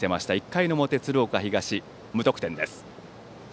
１回の表、鶴岡東、無得点です。